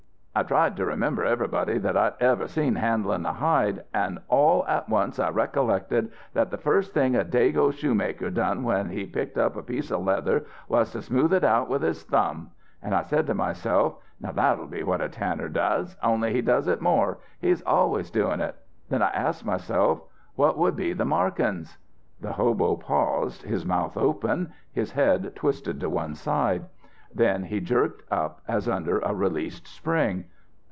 "'I tried to remember everybody that I'd ever seen handlin' a hide, and all at once I recollected that the first thing a dago shoemaker done when he picked up a piece of leather was to smooth it out with his thumbs. An' I said to myself, now that'll be what a tanner does, only he does it more ... he's always doing it. Then I asks myself what would be the markin's?' "The hobo paused, his mouth open, his head twisted to one side. Then he jerked up as under a released spring.